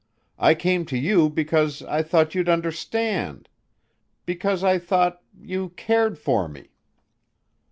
I came to you because I thought you'd understand ... because I thought ... you ... cared for me."